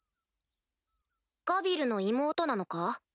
ガビルの妹なのか？